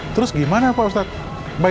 terus gimana pak ustadz